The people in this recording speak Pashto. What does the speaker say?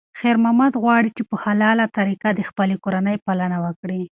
خیر محمد غواړي چې په حلاله طریقه د خپلې کورنۍ پالنه وکړي.